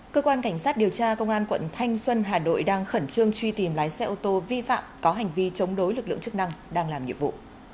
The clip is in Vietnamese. cơ quan cảnh sát điều tra công an quận thanh xuân hà nội đang khẩn trương truy tìm lái xe ô tô vi phạm có hành vi chống đối lực lượng chức năng đang làm nhiệm vụ